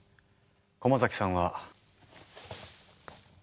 駒崎さんは。